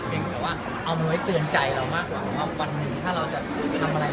แต่ว่าเอามันไว้เตือนใจเรามากกว่าว่าวันนี้ถ้าเราจะทำอะไร